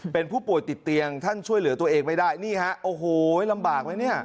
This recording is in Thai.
เป็นผู้ป่วยติดเตียงท่านช่วยเหลือตัวเองไม่ได้นี่ฮะโอ้โหลำบากไหมเนี่ย